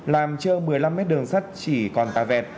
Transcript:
làm chơ một mươi năm m đường sắt chỉ còn tà vẹt